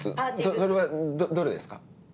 それはどれですか？